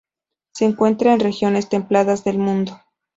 Se encuentran en regiones templadas del mundo.